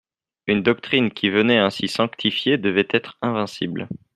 Une doctrine qui venait ainsi sanctifiée devait être invincible.